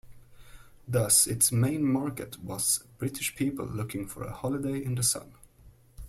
Thus its main market was British people looking for a holiday in the sun.